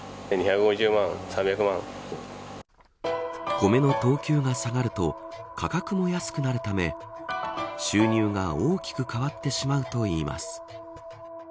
コメの等級が下がると価格も安くなるため収入が大きく変わってしまうといいます。